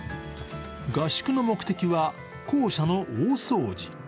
合宿の目的は校舎の大掃除。